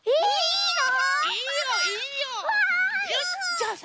よしじゃあさ